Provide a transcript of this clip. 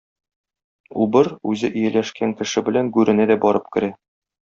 Убыр үзе ияләшкән кеше белән гүренә дә барып керә.